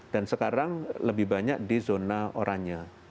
dan sekarang lebih banyak di zona oranye